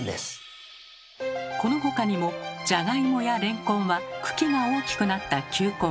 この他にもじゃがいもやれんこんは茎が大きくなった球根。